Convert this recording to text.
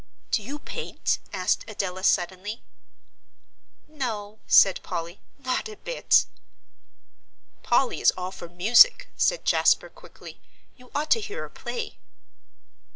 "Do you paint?" asked Adela, suddenly. "No," said Polly, "not a bit" "Polly is all for music," said Jasper, quickly. "You ought to hear her play."